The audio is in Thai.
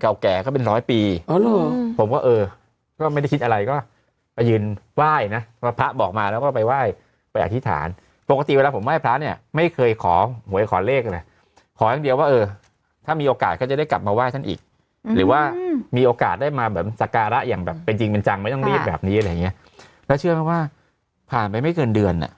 เก่าแก่ก็เป็นร้อยปีอ๋อเหรอผมก็เออก็ไม่ได้คิดอะไรก็ไปยืนไหว้นะว่าพระบอกมาแล้วก็ไปไหว้ไปอธิษฐานปกติเวลาผมไหว้พระเนี่ยไม่เคยขอหวยขอเลขเลยขออย่างเดียวว่าเออถ้ามีโอกาสก็จะได้กลับมาไหว้ท่านอีกหรือว่ามีโอกาสได้มาแบบสการะอย่างแบบเป็นจริงเป็นจังไม่ต้องรีบแบบนี้อะไรอย่างเงี้ยแล้วเชื่อไหมว่าผ่านไปไม่เกินเดือนอ่ะ